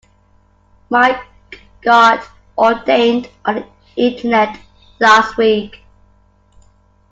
Mike got ordained on the internet last week.